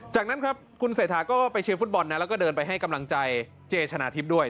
จากนั้นครับคุณเศรษฐาก็ไปเชียร์ฟุตบอลนะแล้วก็เดินไปให้กำลังใจเจชนะทิพย์ด้วย